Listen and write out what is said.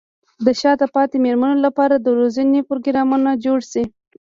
د شاته پاتې مېرمنو لپاره د روزنې پروګرامونه جوړ شي.